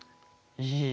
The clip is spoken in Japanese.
いい！